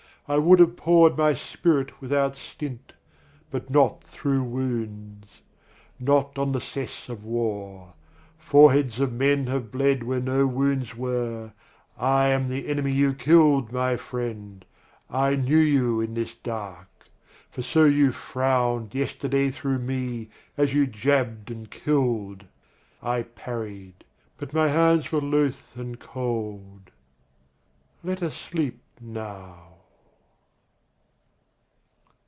I would have poured my spirit without stint But not through wounds; not on the cess of war. Foreheads of men have bled where no wounds were. I am the enemy you killed, my friend. I knew you in this dark; for so you frowned Yesterday through me as you jabbed and killed. I parried; but my hands were loath and cold. Let us sleep now